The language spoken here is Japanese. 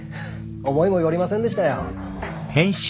思いもよりませんでしたよ。